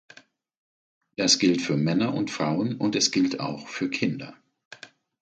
Das gilt für Männer und Frauen, und es gilt auch für Kinder.